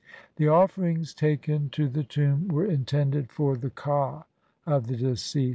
The offerings taken to the tomb were intended for the ka of the deceased.